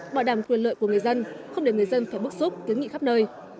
bảo đảm quyền lợi của người dân không để người dân phải bức xúc kiến nghị khắp nơi